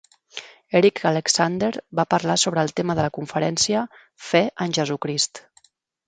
Eric Alexander va parlar sobre el tema de la conferència "Fe en Jesucrist".